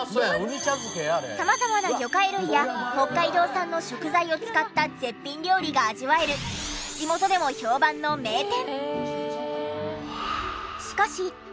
様々な魚介類や北海道産の食材を使った絶品料理が味わえる地元でも評判の名店！